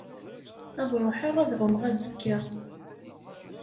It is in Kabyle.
Ad ruḥeɣ ad ɛummeɣ azekka.